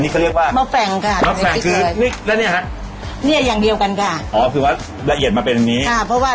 อ๋อคือว่า